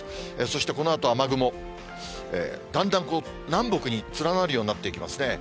そしてこのあと雨雲、だんだん南北に連なるようになっていきますね。